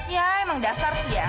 ya emang dasar sih ya